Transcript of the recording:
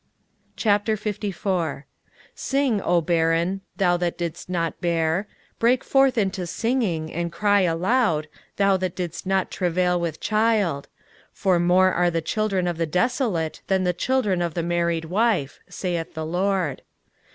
23:054:001 Sing, O barren, thou that didst not bear; break forth into singing, and cry aloud, thou that didst not travail with child: for more are the children of the desolate than the children of the married wife, saith the LORD.